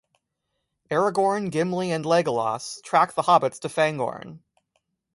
Aragorn, Gimli and Legolas track the hobbits to Fangorn.